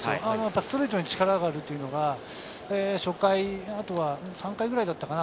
ストレートに力があるというのは初回、３回ぐらいだったかな。